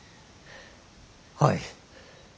はい。